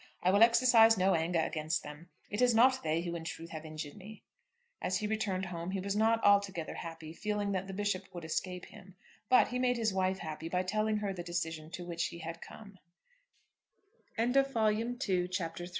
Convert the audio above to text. I will exercise no anger against them. It is not they who in truth have injured me." As he returned home he was not altogether happy, feeling that the Bishop would escape him; but he made his wife happy by telling her the decision to which he had come. CHAPTER IV. "IT IS IMPOSSIBLE."